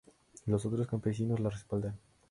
Los otros campesinos la respaldan.